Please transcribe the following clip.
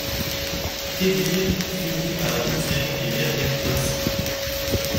Kedir finit à la douzième et dernière place.